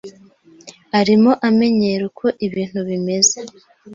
Arimo amenyera uko ibintu bimeze.